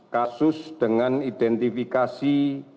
kasus dengan identifikasi dua belas